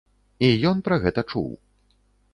І ён пра гэта чуў.